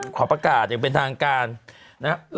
ขอประกาศอย่างเป็นทางการนะครับ